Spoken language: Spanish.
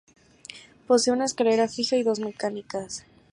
Posee una escalera fija y dos mecánicas.